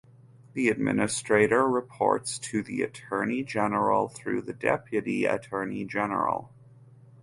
The Administrator reports to the Attorney General through the Deputy Attorney General.